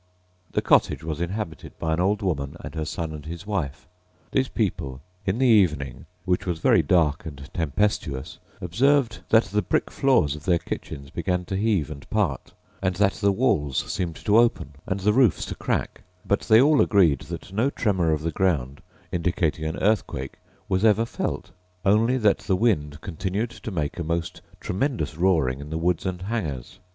The cottage was inhabited by an old woman and her son and his wife. These people in the evening, which was very dark and tempestuous, observed that the brick floors of their kitchens began to heave and part; and that the walls seemed to open, and the roofs to crack: but they all agree that no tremor of the ground, indicating an earthquake, was ever felt; only that the wind continued to make a most tremendous roaring in the woods and hangers.